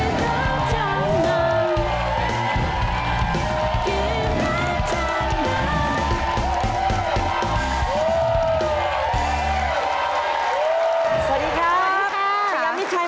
นั่งแรงค่ะนั่งแรง